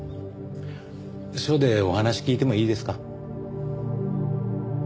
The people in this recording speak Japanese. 署でお話聞いてもいいですか？